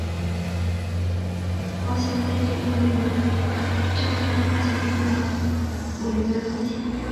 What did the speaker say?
保险费决定于债券发行方的违约风险。